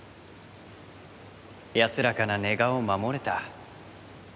安らかな寝顔を守れた。